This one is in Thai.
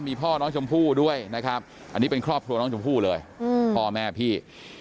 มีพ่อน้องชมพู่ด้วยนะครับอันนี้เป็นครอบครัวน้องชมพู่เลยพ่อแม่พี่